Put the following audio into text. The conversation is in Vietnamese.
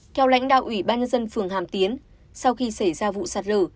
theo lãnh đạo ủy ban nhân dân phường hàm tiến sau khi xảy ra vụ sạt lở